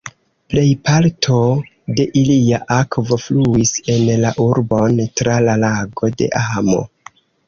Plejparto de ilia akvo fluis en la urbon tra la Lago de Amo.